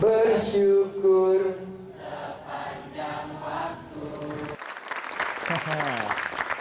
bersyukur sepanjang waktu